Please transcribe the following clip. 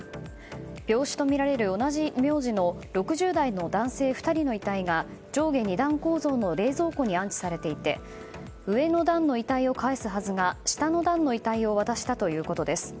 病死とみられる同じ名字の６０代の男性２人の遺体が上下２段構造の冷蔵庫に安置されていて上の段の遺体を返すはずが下の段の遺体を渡したということです。